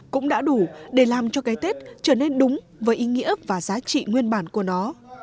cũng đã đủ để làm cho cái tết trở nên đúng với ý nghĩa và giá trị nguyên bản của nó